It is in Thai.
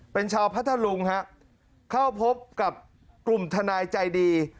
เป็นชาวพัทธลุงฮะเข้าพบกับกลุ่มทนายใจดี